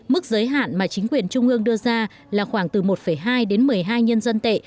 mức giới hạn mà chính quyền trung ương đưa ra là khoảng từ một hai đến một mươi hai nhân dân tệ